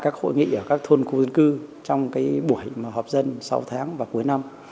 các hội nghị ở các thôn khu dân cư trong cái buổi mà họp dân sau tháng và cuối năm